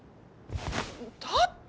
だって。